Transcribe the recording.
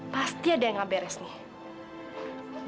pasti ada yang gak beres nih